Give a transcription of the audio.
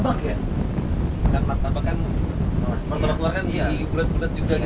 martabak kan martabak warna bulat bulat juga gitu ya